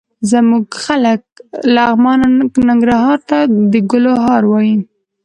زموږ خلک لغمان او ننګرهار ته د ګل هار وايي.